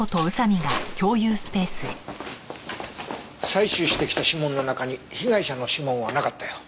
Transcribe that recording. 採取してきた指紋の中に被害者の指紋はなかったよ。